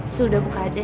sudah bu kada